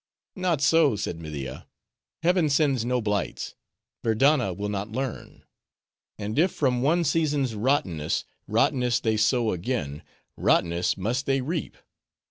"Not so," said Media. "Heaven sends no blights. Verdanna will not learn. And if from one season's rottenss, rottenness they sow again, rottenness must they reap.